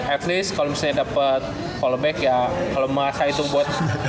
at least kalau misalnya dapat callback ya kalau merasa itu buat